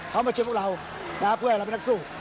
เขามาเชิญพวกเรานะครับเพื่อให้เราเป็นนักสู้